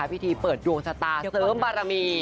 พิธีเปิดดวงชะตาเสริมบารมี